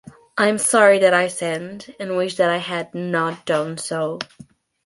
I am sorry that I sinned, and wish that I had not done so.